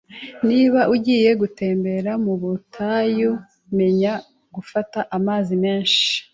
Niba ugiye gutembera mu butayu, menya gufata amazi menshi.